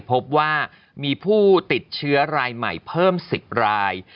พบว่ามีผู้ติดเชื้อรายใหม่เพิ่ม๑๐ราย